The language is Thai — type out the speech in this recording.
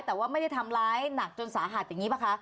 แต่ว่าไม่ได้ทำร้ายหนักจนสาหัสอย่างนี้ป่ะคะ